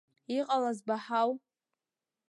Иҟалаз баҳау?!